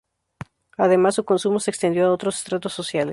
Además, su consumo se extendió a otros estratos sociales.